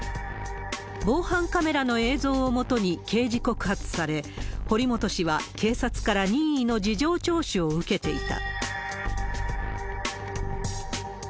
防犯カメラの映像をもとに刑事告発され、堀本氏は警察から任意の事情聴取を受けていた。